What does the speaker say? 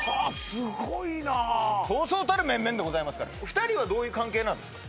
すごいな錚々たる面々でございますから２人はどういう関係なんですか？